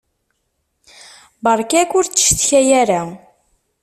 Beṛka-k ur ttcetkay ara!